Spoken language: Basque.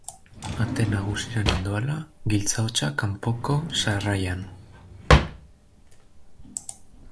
Ate nagusira nindoala, giltza-hotsa kanpoko sarrailan.